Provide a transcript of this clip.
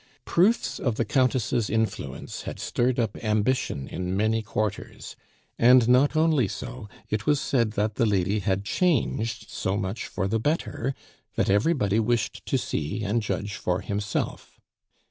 Proofs of the Countess' influence had stirred up ambition in many quarters; and not only so, it was said that the lady had changed so much for the better that everybody wished to see and judge for himself.